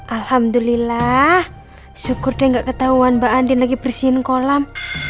alhamdulillah syukur dia nggak ketahuan mbak andin lagi bersihin kolam